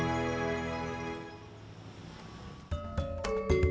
ya udah aik adul